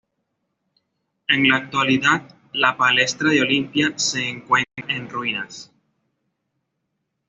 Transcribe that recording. En la actualidad, la palestra de Olimpia se encuentra en ruinas.